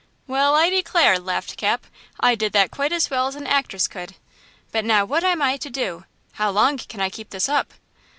"Well, I declare," laughed Cap, "I did that quite as well as an actress could! But now what am I to do? How long can I keep this up?